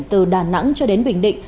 từ đà nẵng cho đến bình định